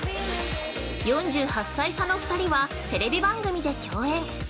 ４８歳差の２人はテレビ番組で共演。